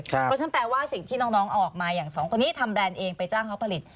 เพราะฉะนั้นแปลว่าสิ่งที่น้องเอาออกมาอย่างสองคนนี้ทำแรนด์เองไปจ้างเขาผลิต